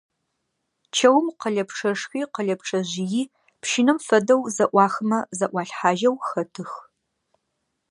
Чэум къэлэпчъэшхуи, къэлэпчъэжъыйи пщынэм фэдэу зэӀуахымэ зэӀуалъхьажьэу хэтых.